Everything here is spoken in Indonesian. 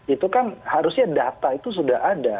itu kan harusnya data itu sudah ada